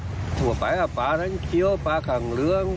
หมู่วะไผะปลาโล่งเคียวปลาขังเหลือง